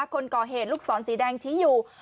คนก่อเหตุลูกศรสีแดงชี้อยู่